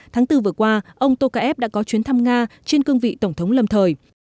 tháng bốn vừa qua ông tokayev đã có chuyến thăm nga trên cương vị tổng thống lâm thời